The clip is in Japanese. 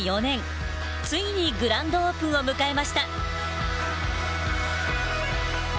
ついにグランドオープンを迎えました。